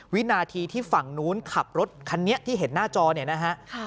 วินาทีที่ฝั่งนู้นขับรถคันนี้ที่เห็นหน้าจอเนี่ยนะฮะ